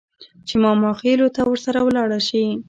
چې ماماخېلو ته ورسره لاړه شي.